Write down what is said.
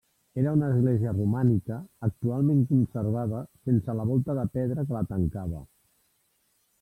Era una església romànica, actualment conservada sense la volta de pedra que la tancava.